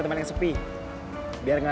udah selesai lupa lagi yang takut